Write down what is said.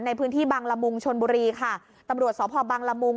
ในพื้นที่บังละมุงชนบุรีค่ะตำรวจสพบังละมุง